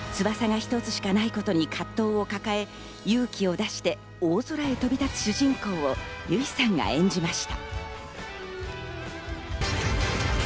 翼が一つしかないことに葛藤を抱え、勇気を出して大空へ飛び立つ主人公を由依さんが演じました。